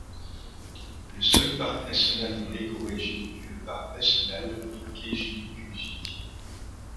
Le seul parc national dans l'écorégion est le parc national de Kejimkujik.